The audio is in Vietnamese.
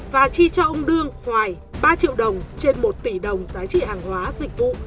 và chi cho ông đương hoài ba triệu đồng trên một tỷ đồng giá trị hàng hóa dịch vụ